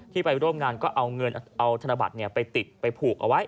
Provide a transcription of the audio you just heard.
ไปร่วมงานก็เอาเงินเอาธนบัตรไปติดไปผูกเอาไว้